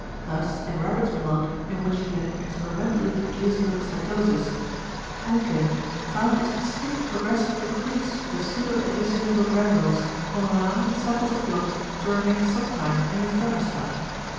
Thus in rabbit's blood in which he had experimentally produced leucocytosis, Hankin found a distinct progressive decrease of the pseudoeosinophil granules on allowing the samples of blood to remain some time in the thermostat.